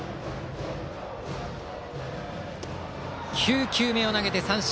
９球目を投げて三振！